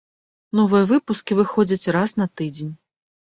Новыя выпускі выходзяць раз на тыдзень.